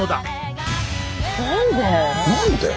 何で？